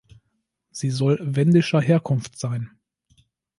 Sie soll wendischer Herkunft sein.